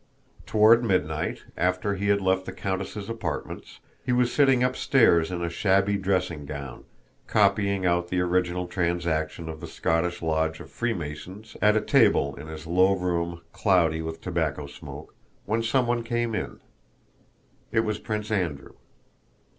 Toward midnight, after he had left the countess' apartments, he was sitting upstairs in a shabby dressing gown, copying out the original transaction of the Scottish lodge of Freemasons at a table in his low room cloudy with tobacco smoke, when someone came in. It was Prince Andrew.